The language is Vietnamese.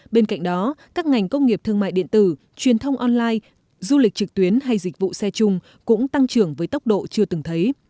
bên cạnh đó các ngành công nghiệp thương mại điện tử truyền thông online du lịch trực tuyến hay dịch vụ xe chung cũng tăng trưởng với tốc độ chưa từng thấy